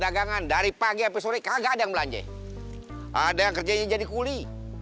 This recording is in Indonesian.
dagangan dari pagi sampai sore kagak ada yang belanja ada yang kerjanya jadi kuli